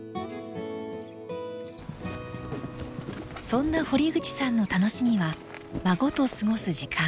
そんな堀口さんの楽しみは孫と過ごす時間。